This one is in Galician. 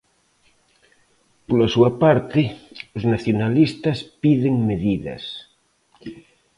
Pola súa parte, os nacionalistas piden medidas.